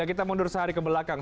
kita mundur sehari ke belakang